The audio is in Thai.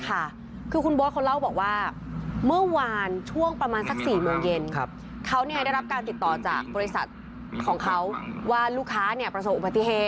อ่าเขามันอยู่ในเมืองนะครับ